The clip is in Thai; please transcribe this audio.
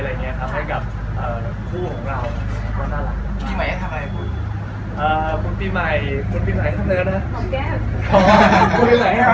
แล้วเราก็ต้องพาไปกินข้าวหรือยังข้ามเรือไปกินติ๊กฟู้ดอยู่ตรงปำรักษณ์อยู่เลยอะค่ะ